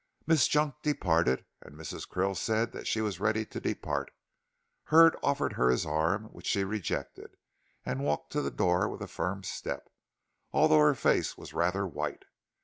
Miss Junk departed, and Mrs. Krill said that she was ready to depart. Hurd offered her his arm, which she rejected, and walked to the door with a firm step, although her face was rather white.